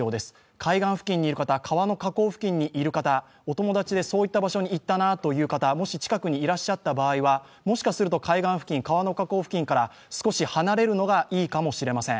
海岸付近にいる方、川の河口付近にいる方、お友達でそういった場所に行ったなという方、もしかすると海岸付近、川の河口付近から少し離れるのがいいかもしれません。